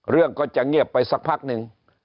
เรื่องก็จะเงียบไปสักพักหนึ่ง